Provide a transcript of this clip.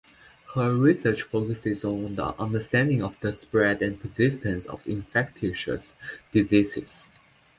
Her research focuses on understanding the spread and persistence of infectious diseases.